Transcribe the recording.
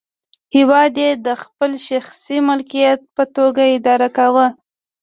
هېواد یې د خپل شخصي ملکیت په توګه اداره کاوه.